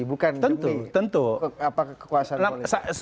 bukan demi kekuasaan politik